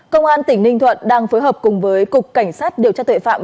công an tỉnh ninh thuận đang phối hợp cùng với cục cảnh sát điều tra tội phạm